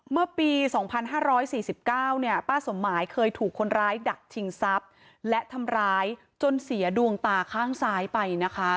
เมื่อปี๒๕๔๙เนี่ยป้าสมหมายเคยถูกคนร้ายดักชิงทรัพย์และทำร้ายจนเสียดวงตาข้างซ้ายไปนะคะ